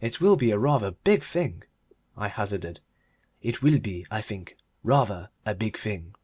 "It will be rather a big thing," I hazarded. "It will be, I think, rather a big thing."